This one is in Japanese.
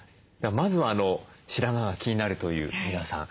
まずは白髪が気になるという皆さん